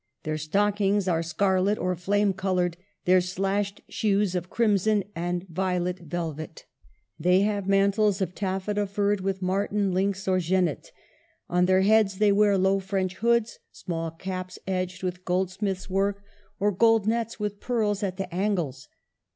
Their stockings are scarlet or flame color, their slashed shoes of crimson and violet velvet. They have mantles of taffeta furred with marten, lynx, or genet. On their heads they wear low French hoods, small caps edged with goldsmith's work, or gold nets with pearls at the angles.